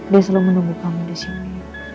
dia selalu menunggu kamu disini